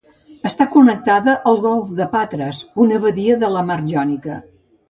Està connectada al golf de Patres, una badia de la mar Jònica.